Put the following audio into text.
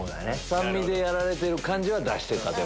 酸味でやられてる感じは出してた。